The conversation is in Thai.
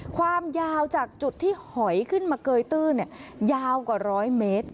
ความยาวจากจุดที่หอยขึ้นมาเกยตื้นยาวกว่า๑๐๐เมตร